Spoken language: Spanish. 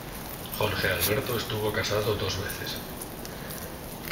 Jorge Alberto estuvo casado dos veces.